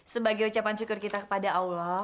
sebagai ucapan syukur kita kepada allah